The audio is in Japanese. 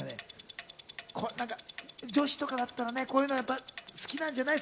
女子とかだったら、こういうの好きなんじゃない？